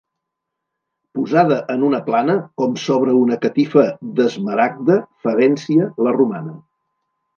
Posada en una plana com sobre una catifa d'esmaragda, Favència la romana.